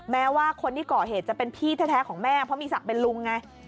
แม้ว่าคนที่ก่อเหตุจะเป็นพี่แท้ของแม่เพราะมีศักดิ์เป็นลุงไง